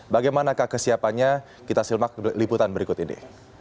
bagaimana kak kesiapannya kita silmak liputan berikut ini